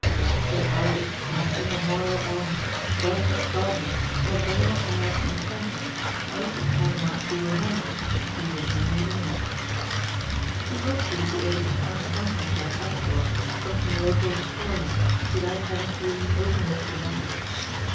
Restful houses among immemorial elms, well kept gardens and a general air of contentment made the town one to be remembered even in New England. He hoped he would be able to find something about Apthorpe from some local historian without having to lead openly to the matter.